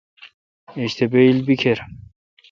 ایج تہ بییل بیکھر۔